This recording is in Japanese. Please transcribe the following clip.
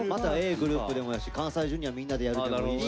ｇｒｏｕｐでもやし関西Ｊｒ．のみんなでやるでもいいし。